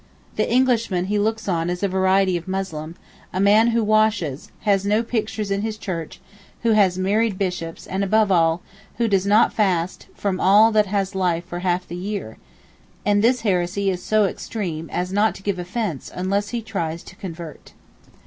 The Englishman he looks on as a variety of Muslim—a man who washes, has no pictures in his church, who has married bishops, and above all, who does not fast from all that has life for half the year, and this heresy is so extreme as not to give offence, unless he tries to convert.